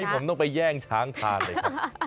อย่าให้ผมต้องไปแย่งช้างทานเลยค่ะ